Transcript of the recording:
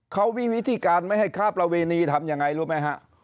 เขาวิวิธีการให้ค้าประเวณีทำยังไงรู้มั้ยครับ